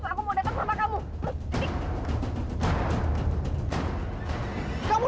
aku mau datang ke rumah kamu